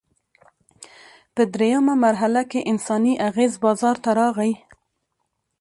په درېیمه مرحله کې انساني اغېز بازار ته راغی.